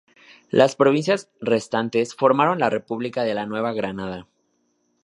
Las provincias restantes formaron la República de la Nueva Granada.